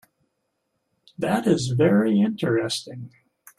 That is very interesting.